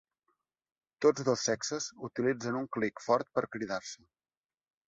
Tots dos sexes utilitzen un "clic" fort per cridar-se.